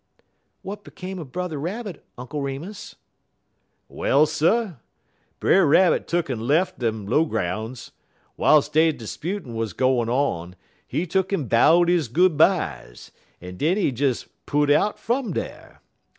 "What became of Brother Rabbit, Uncle Remus?" "Well, sir, Brer Rabbit tuck'n lef' dem low groun's. W'iles de 'sputin' wuz gwine on, he tuck'n bowed his good byes, en den he des put out fum dar.